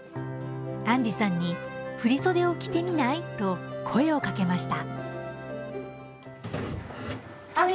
安理さんに「振り袖を着てみない？」と声をかけました。